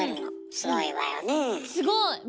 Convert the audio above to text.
すごい！